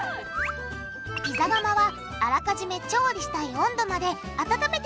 ピザ窯はあらかじめ調理したい温度まで温めておくんだ。